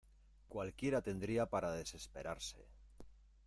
¡ cualquiera tendría para desesperarse!